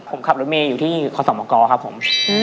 ผมขับรถเมย์อยู่ที่คศมกครับผม